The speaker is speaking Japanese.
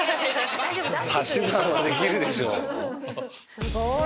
すごい。